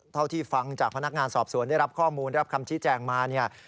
เท่าที่ฟังจากพนักงานสอบสวนได้รับข้อมูลได้รับคำชี้แจงมาเนี่ย